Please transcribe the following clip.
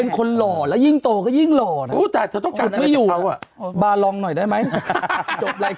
เป็นคนหล่อแล้วยิ่งโตก็ยิ่งหล่อนะอุ้ยแต่จะต้องจัดการในสะเทาอ่ะ